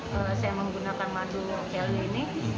sebelum saya menggunakan madu gel ini